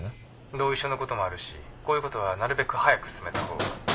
同意書のこともあるしこういうことはなるべく早く進めたほうが。